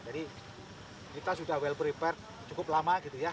jadi kita sudah well prepared cukup lama gitu ya